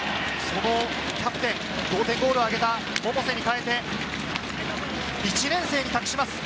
そのキャプテン、同点ゴールを挙げた百瀬に代えて、１年生に託します。